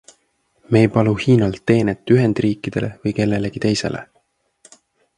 Me ei palu Hiinalt teenet Ühendriikidele või kellelegi teisele.